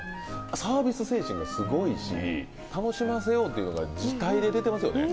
サービス精神がすごいし楽しませようというのが字体で出てますよね